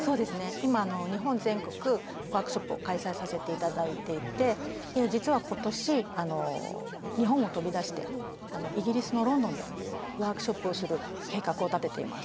今日本全国ワークショップを開催させて頂いていて実は今年日本を飛び出してイギリスのロンドンでワークショップをする計画を立てています。